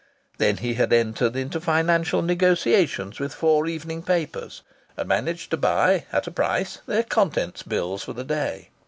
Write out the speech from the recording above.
Then he had entered into financial negotiations with four evening papers and managed to buy, at a price, their contents bills for the day.